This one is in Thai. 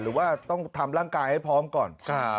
หรือว่าต้องทำร่างกายให้พร้อมก่อน